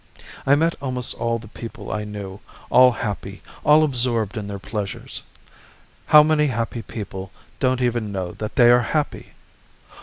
I met almost all the people I knew, all happy, all absorbed in their pleasures. How many happy people don't even know that they are happy!